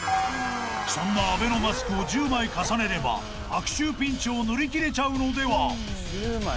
［そんなアベノマスクを１０枚重ねれば悪臭ピンチを乗り切れちゃうのでは？］